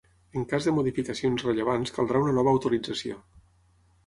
En cas de modificacions rellevants caldrà una nova autorització.